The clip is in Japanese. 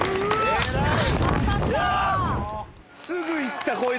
すぐいったこいつ。